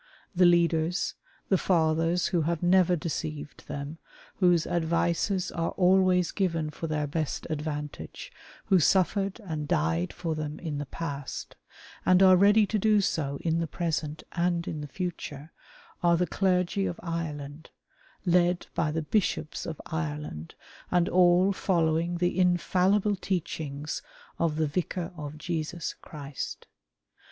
The leaders, the fathers who have never deceived them, whose advices are always given for their best advantage, who suffered and died for them in the past, and are ready to do so in the present and in the future, are the clergy of Ireland, led l)y the Bishops of Ireland, and all follownig the infallible teachings of the Vicar of Jesus Christ.